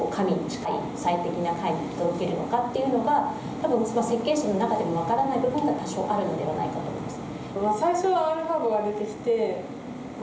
多分設計士の中でも分からない部分が多少あるのではないかと思います。